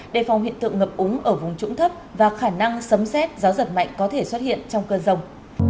đề phòng hiện tượng ngập úng ở vùng trũng thấp và khả năng sấm xét gió giật mạnh có thể xuất hiện trong cơn rông